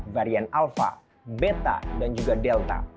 varian alpha beta dan juga delta